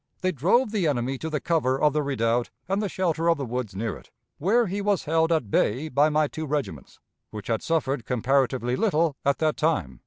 They drove the enemy to the cover of the redoubt and the shelter of the woods near it, where he was held at bay by my two regiments, which had suffered comparatively little at that time."